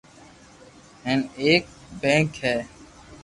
ھين اآڪ بيٺڪ ھي